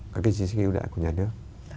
các cái chính sách ưu đãi của nhà nước